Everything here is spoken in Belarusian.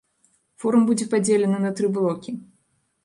Форум будзе падзелены на тры блокі.